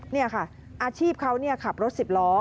นี่ค่ะอาชีพเขาขับรถ๑๐ล้อ